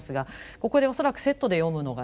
ここで恐らくセットで読むのがですね